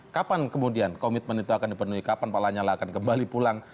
kapan kemudian komitmen itu akan dipenuhi kapan pak lanyala akan kembali pulang